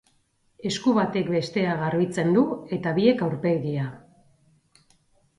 Esku batek bestea garbitzen du eta biek aurpegia.